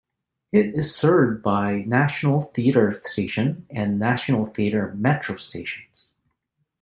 It is served by National Theatre Station and National Theatre metro stations.